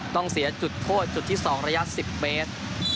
ต้องเสียจุดโทษจุดที่๒ระยะ๑๐เมตร